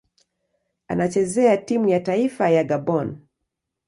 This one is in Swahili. Anachezea timu ya taifa ya Gabon.